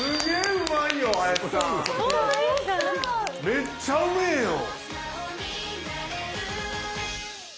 めっちゃうめえよ！